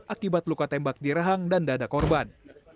akibat luka tembak di rahang dan dada korban